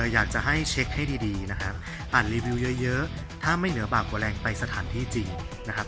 อยากจะให้เช็คให้ดีนะครับอ่านรีวิวเยอะถ้าไม่เหนือบาปกว่าแรงไปสถานที่จริงนะครับ